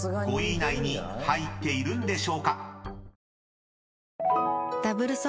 ５位以内に入っているんでしょうか？］